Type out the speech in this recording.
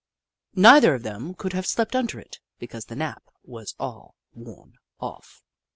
Neither of them could have slept under it, because the nap was all worn off.